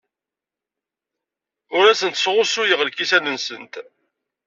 Ur asent-sɣusuyeɣ lkisan-nsent.